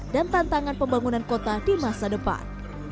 dan tantangan pembangunan kota di masa depan